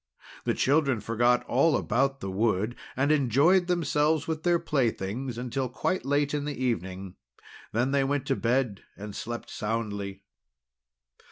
The two children forgot all about the wood, and enjoyed themselves with their playthings until quite late in the evening. They then went to bed and slept soundly.